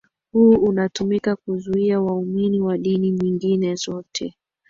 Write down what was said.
huu unatumika kuzuia waumini wa dini nyingine zote